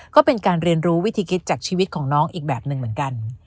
ก็เป็นการเรียนรู้วิธีคิดจากชีวิตของน้องอีกแบบหนึ่งเหมือนกัน